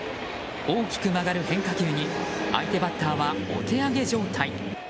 大きく曲がる変化球に相手バッターはお手上げ状態。